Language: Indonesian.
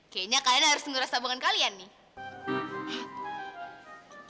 kayaknya kalian harus ngerasabungan kalian nih